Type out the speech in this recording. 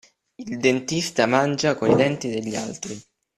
Il dentista mangia coi denti degli altri.